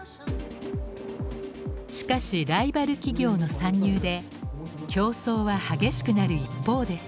しかしライバル企業の参入で競争は激しくなる一方です。